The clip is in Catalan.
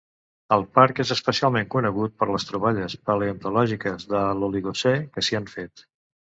El parc és especialment conegut per les troballes paleontològiques de l'Oligocè que s'hi han fet.